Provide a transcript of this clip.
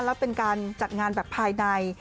แล้วเป็นการจัดงานแบบภายใน